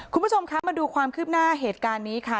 คุณผู้ชมคะมาดูความคืบหน้าเหตุการณ์นี้ค่ะ